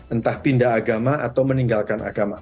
entah pindah agama atau meninggalkan agama